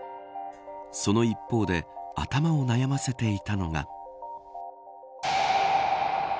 その一方で頭を悩ませていたのが。